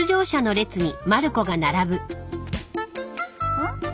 うん？